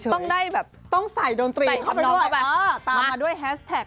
ต้องได้แบบใส่ทำนองเข้าไปด้วยอ๋อตามมาด้วยแฮสแท็ก